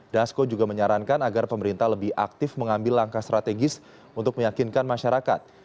dasko juga menyarankan agar pemerintah lebih aktif mengambil langkah strategis untuk meyakinkan masyarakat